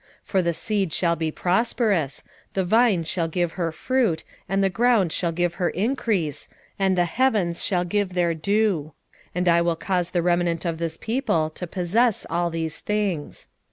8:12 For the seed shall be prosperous; the vine shall give her fruit, and the ground shall give her increase, and the heavens shall give their dew; and I will cause the remnant of this people to possess all these things.